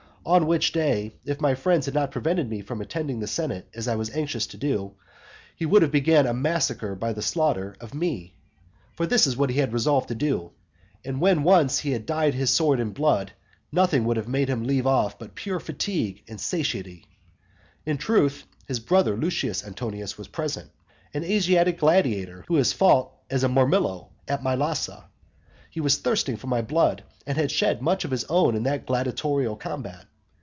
On which day, if my friends had not prevented me from attending the senate as I was anxious to do, he would have begun a massacre by the slaughter of me. For that was what he had resolved to do. And when once he had dyed his sword in blood, nothing would have made him leave off but pure fatigue and satiety. In truth, his brother, Lucius Antonius, was present, an Asiatic gladiator, who had fought as a Mirmillo, at Mylasa; he was thirsting for my blood, and had shed much of his own in that gladiatorial combat.